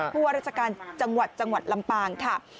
ว่าราชการจังหวัดจังหวัดลำปางค่ะ